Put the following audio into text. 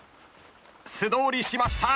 素通りしました！